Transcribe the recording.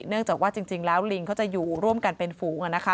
เนื่องจากว่าจริงแล้วลิงเขาจะอยู่ร่วมกันเป็นฝูง